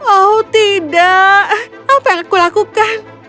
oh tidak apa yang aku lakukan